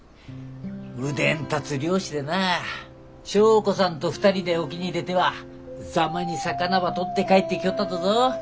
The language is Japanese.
腕ん立つ漁師でな祥子さんと２人で沖に出てはざまに魚ば取って帰ってきよったとぞ。